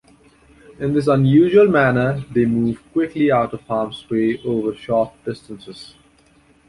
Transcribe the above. In this unusual manner, they move quickly out of harm's way over short distances.